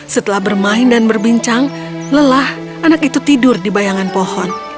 setelah bermain dan berbincang lelah anak itu tidur di bayangan pohon